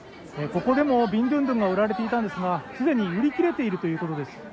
ここでもビンドゥンドゥンが売られていたんですが既に売り切れているということです。